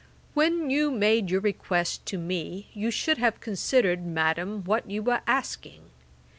] 'When you made your request to me, you should have considered, Madam, what you were asking.